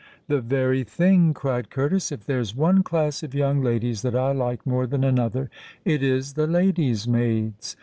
"The very thing!" cried Curtis. "If there's one class of young ladies that I like more than another, it is the ladies' maids.